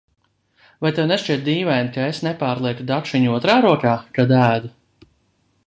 Vai tev nešķiet dīvaini, ka es nepārlieku dakšiņu otrā rokā, kad ēdu?